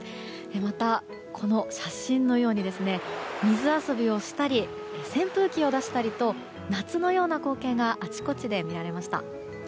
また、この写真のように水遊びをしたり扇風機を出したりと夏のような光景があちこちで見られました。